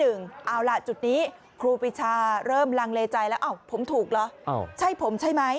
เอาล่ะจุดนี้ครูปีชาเริ่มลังเลใจแล้วผมถูกเหรอใช่ผมใช่ไหม